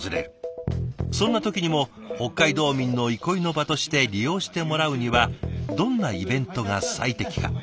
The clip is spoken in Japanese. そんな時にも北海道民の憩いの場として利用してもらうにはどんなイベントが最適か？